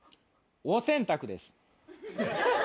お洗濯です。